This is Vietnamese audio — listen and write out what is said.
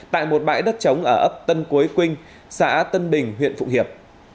tại một bãi đất trống ở ấp tân cuối quynh xã tân bình huyện phụng hiệp